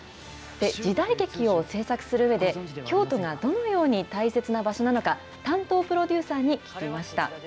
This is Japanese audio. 時代劇を制作するうえで、京都がどのように大切な場所なのか、担当プロデューサーに聞きました。